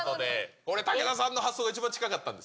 これ、武田さんの発想が一番近かったんです。